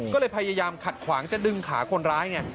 ก็เลยพยายามขัดขวางจะดึงขาคนร้ายไง